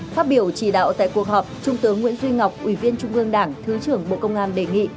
phát biểu chỉ đạo tại cuộc họp trung tướng nguyễn duy ngọc ủy viên trung ương đảng thứ trưởng bộ công an đề nghị